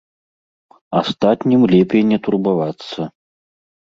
Астатнім лепей не турбавацца.